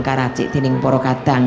yang berada di borokadang